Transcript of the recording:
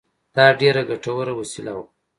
دا ډېره ګټوره وسیله وه.